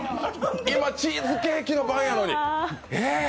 今、チーズケーキの番やのに。